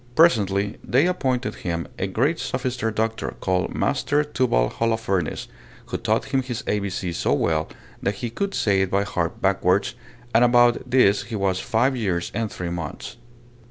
Presently they appointed him a great sophister doctor, called Master Tubal Holofernes, who taught him his ABC so well, that he could say it by heart backwards; and about this he was five years and three months.